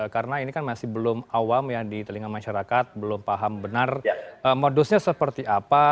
karena ini kan masih belum awam ya di telinga masyarakat belum paham benar modusnya seperti apa